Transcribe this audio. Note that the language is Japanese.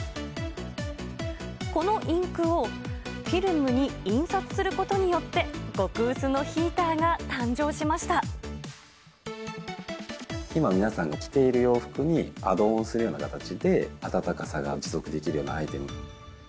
このインクをフィルムに印刷することによって、極薄のヒーターが今、皆さんが着ている洋服にアドオンするような形で、暖かさが持続できるようなアイテム。